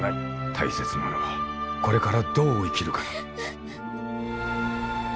大切なのはこれからどう生きるかだ。